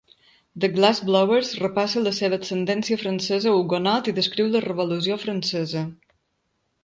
The Glass-Blowers repassa la seva ascendència francesa hugonot i descriu la Revolució Francesa.